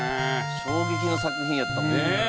「衝撃の作品やったもん」